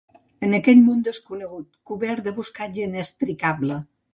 En aquell món desconegut, cobert de boscatge inextricable…